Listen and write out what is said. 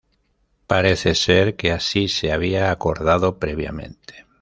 Parece ser que así se había acordado previamente.